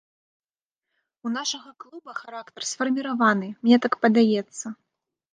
У нашага клуба характар сфарміраваны, мне так падаецца.